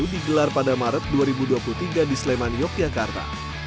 digelar pada maret dua ribu dua puluh tiga di sleman yogyakarta